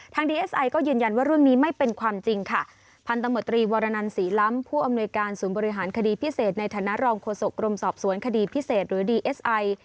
ดีเอสไอก็ยืนยันว่าเรื่องนี้ไม่เป็นความจริงค่ะพันธมตรีวรนันศรีล้ำผู้อำนวยการศูนย์บริหารคดีพิเศษในฐานะรองโฆษกรมสอบสวนคดีพิเศษหรือดีเอสไอ